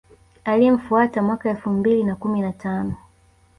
Aliyemfuata mwaka elfu mbili na kumi na tano